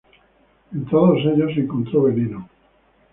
En todos ellos se encontró veneno.